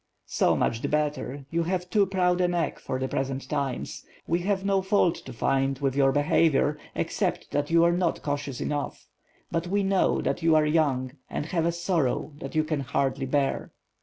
"So much the better, you have too proud a neck for the present times. We have no fault to find with your behavior, except thait you are not cautious enough; but we know that you are young and have a sorrow that you can hardly bear."